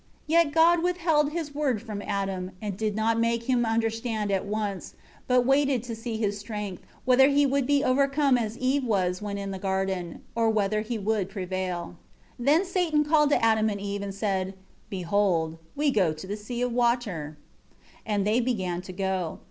7 Yet God withheld His Word from Adam, and did not make him understand at once, but waited to see his strength; whether he would be overcome as Eve was when in the garden, or whether he would prevail. 8 Then Satan called to Adam and Eve, and said, "Behold, we go to the sea of water," and they began to go.